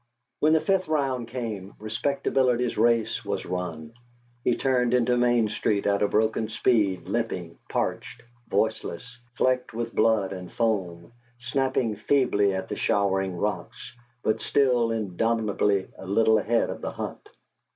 When the fifth round came, Respectability's race was run. He turned into Main Street at a broken speed, limping, parched, voiceless, flecked with blood and foam, snapping feebly at the showering rocks, but still indomitably a little ahead of the hunt.